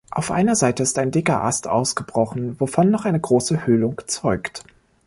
Auf einer Seite ist ein dicker Ast ausgebrochen, wovon noch eine große Höhlung zeugt.